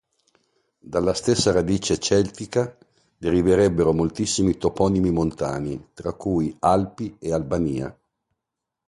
Dalla stessa radice celtica deriverebbero moltissimi toponimi montani, tra cui Alpi e Albania.